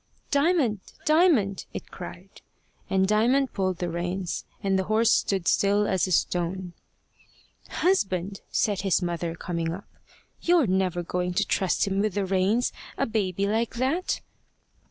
"Diamond! Diamond!" it cried; and Diamond pulled the reins, and the horse stood still as a stone. "Husband," said his mother, coming up, "you're never going to trust him with the reins a baby like that?"